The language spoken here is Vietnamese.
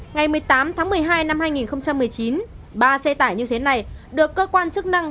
ngày một mươi tám tháng một mươi hai năm hai nghìn một mươi chín ba xe tải như thế này được cơ quan chức năng